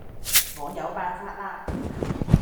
我有辦法啦